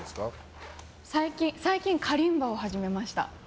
最近、カリンバを始めました。